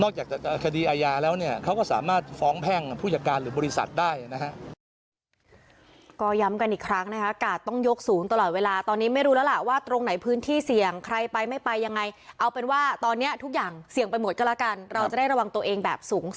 จากคดีอาญาแล้วเนี่ยเขาก็สามารถฟ้องแพ่งผู้จัดการหรือบริษัทได้นะฮะ